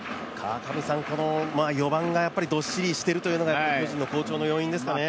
４番がどっしりしてるというのが好調の要因ですかね。